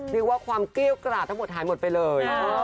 เรียกว่าความเกี้ยวกราดทั้งหมดหายหมดไปเลย